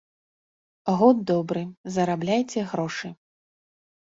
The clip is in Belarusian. Год добры, зарабляйце грошы.